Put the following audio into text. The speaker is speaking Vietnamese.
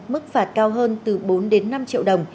mức phạt cao hơn từ bốn đến năm triệu đồng